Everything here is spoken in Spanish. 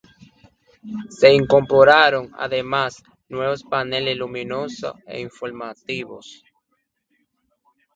Se incorporaron además nuevos paneles luminosos e informativos.